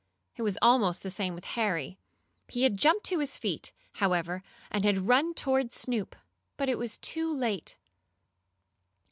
It was almost the same with Harry. He had jumped to his feet, however, and had run toward Snoop, but too late.